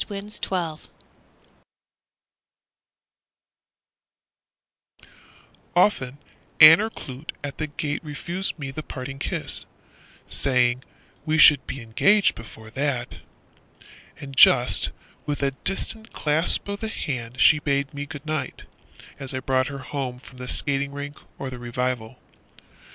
Homer Clapp Often Aner Clute at the gate Refused me the parting kiss, Saying we should be engaged before that; And just with a distant clasp of the hand She bade me good night, as I brought her home From the skating rink or the revival.